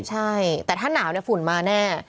ใช่แต่ถ้าหนาวฝุ่นมาแน่